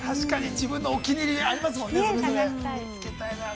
自分のお気に入りありますもんね、それぞれ。